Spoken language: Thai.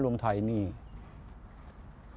ปลูกกระฟื้นปลูกกระฟื้นปลูกกระฟื้น